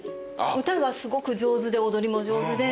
歌がすごく上手で踊りも上手で。